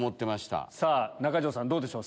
さぁ中条さんどうでしょう？